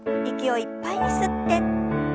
息をいっぱいに吸って。